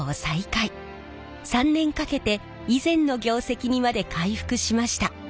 ３年かけて以前の業績にまで回復しました。